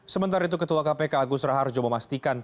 sementara itu ketua kpk agus raharjo memastikan